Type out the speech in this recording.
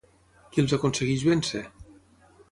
Qui els aconsegueix vèncer?